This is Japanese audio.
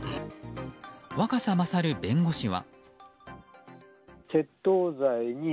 若狭勝弁護士は。